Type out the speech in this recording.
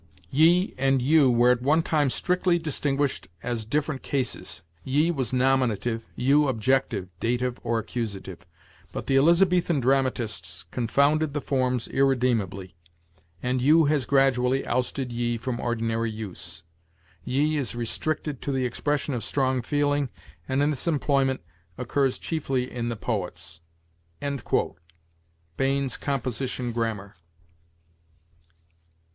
"'Ye' and 'you' were at one time strictly distinguished as different cases; 'ye' was nominative, 'you' objective (dative or accusative). But the Elizabethan dramatists confounded the forms irredeemably; and 'you' has gradually ousted 'ye' from ordinary use. 'Ye' is restricted to the expression of strong feeling, and in this employment occurs chiefly in the poets." Bain's "Composition Grammar."